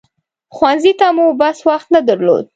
ښوونځي ته مو بس وخت نه درلود.